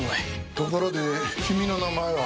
ところで君の名前は？